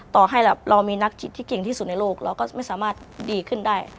ต่อให้เรามีนักจิตที่เก่งที่สุดในโลกเราก็ไม่สามารถดีขึ้นได้